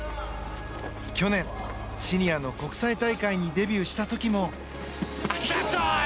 去年、シニアの国際大会にデビューした時も。